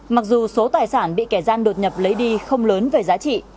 mặc dù số tài sản bị kẻ gian đột nhập lấy đi không lớn về giá trị